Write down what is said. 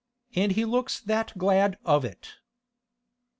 And he looks that glad of it.